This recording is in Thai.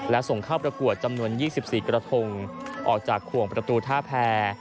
และส่งเข้าประกวดจำนวน๒๔กระทงออกจากขวงประตูท่าแพร